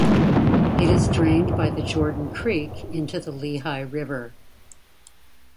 It is drained by the Jordan Creek into the Lehigh River.